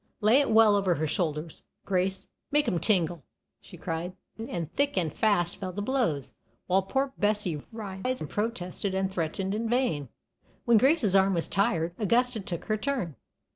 "Lay it well over her shoulders, Grace; make 'em tingle!" she cried; and thick and fast fell the blows, while poor Bessie writhed and protested and threatened in vain. When Grace's arm was tired, Augusta took her turn.